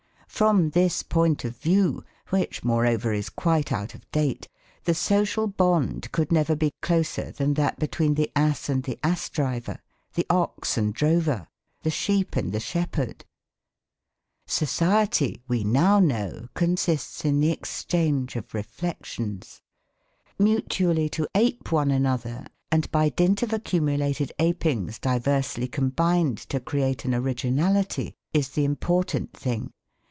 From this point of view, which, moreover, is quite out of date, the social bond could never be closer than that between the ass and the ass driver, the ox and drover, the sheep and the shepherd. Society, we now know, consists in the exchange of reflections. Mutually to ape one another, and by dint of accumulated apings diversely combined to create an originality is the important thing.